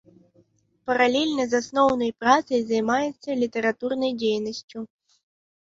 Паралельна з асноўнай працай займаецца літаратурнай дзейнасцю.